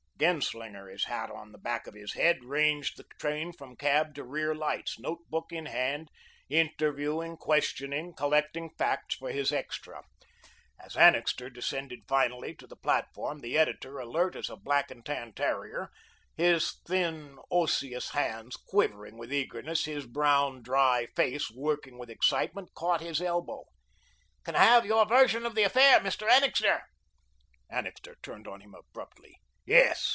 Genslinger, his hat on the back of his head, ranged the train from cab to rear lights, note book in hand, interviewing, questioning, collecting facts for his extra. As Annixter descended finally to the platform, the editor, alert as a black and tan terrier, his thin, osseous hands quivering with eagerness, his brown, dry face working with excitement, caught his elbow. "Can I have your version of the affair, Mr. Annixter?" Annixter turned on him abruptly. "Yes!"